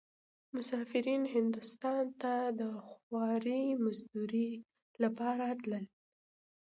مسافرين هندوستان ته د خوارۍ مزدورۍ لپاره تلل.